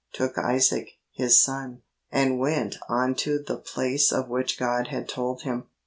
. took Isaac, his son, ... and went unto the place of which God had told him.